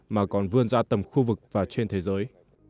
mà còn vươn ra tầm khu vực và trên thế giới